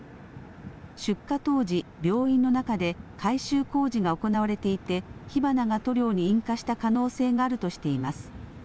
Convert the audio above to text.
出火当時、病院の中で改修工事が行われていて、火花が塗料に引火した可能性があるとしています。